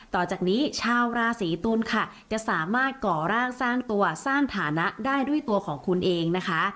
ต่อจากนี้ชาวราศีตุลค่ะจะสามารถก่อร่างสร้างตัวสร้างฐานะได้ด้วยตัวของคุณเองนะคะ